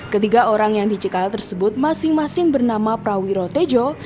ketiga orang yang dicekal tersebut masing masing bernama prawiro tejo